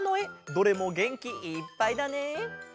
どれもげんきいっぱいだね。